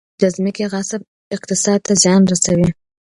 د ځمکې غصب اقتصاد ته زیان رسوي